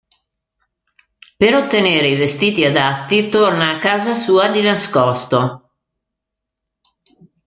Per ottenere i vestiti adatti, torna a casa sua di nascosto.